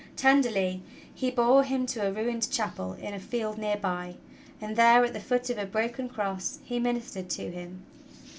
Tenderly he bore him to a ruined chapel in a field near by, and there, at the foot of a broken cross, he ministered to him.